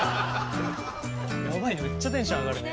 やばいめっちゃテンション上がるね。